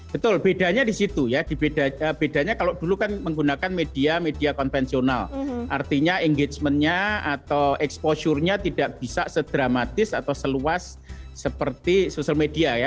betul bedanya di situ ya bedanya kalau dulu kan menggunakan media media konvensional artinya engagementnya atau exposure nya tidak bisa sedramatis atau seluas seperti social media ya